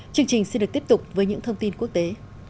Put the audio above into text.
chương trình xin được tiếp tục với những thông tin quốc tế